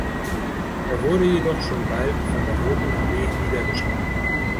Er wurde jedoch schon bald von der Roten Armee niedergeschlagen.